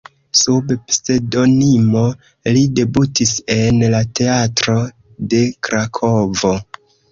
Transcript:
Sub pseŭdonimo li debutis en la teatro de Krakovo.